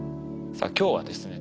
さあ今日はですね